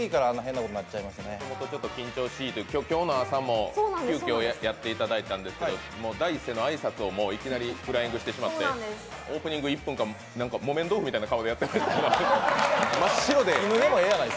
もともとちょっと緊張しぃということで、今日の朝も急きょやっていただいたんですけど、第一声の挨拶をいきなりフライングしてまして、なんか、木綿豆腐みたいな顔でやってられてましたね。